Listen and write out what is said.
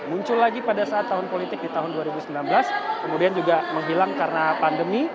muncul lagi pada saat tahun politik di tahun dua ribu sembilan belas kemudian juga menghilang karena pandemi